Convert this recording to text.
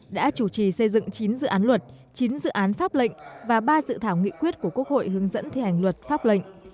đã chủ trì xây dựng chín dự án luật chín dự án pháp lệnh và ba dự thảo nghị quyết của quốc hội hướng dẫn thi hành luật pháp lệnh